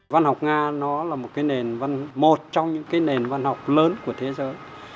văn học nga là một trong những nền văn học lớn của thế giới